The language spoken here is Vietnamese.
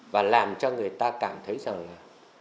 và làm cho người ta cảm thấy rằng là